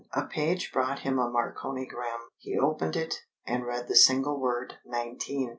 A page brought him a marconigram. He opened it, and read the single word "Nineteen."